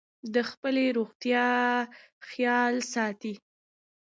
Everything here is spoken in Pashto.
د خپلې روغتیا خیال ساتئ.